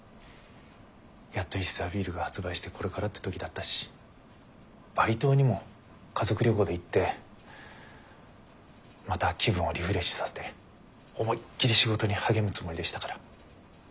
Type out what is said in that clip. やっと石沢ビールが発売してこれからって時だったしバリ島にも家族旅行で行ってまた気分をリフレッシュさせて思いっきり仕事に励むつもりでしたから。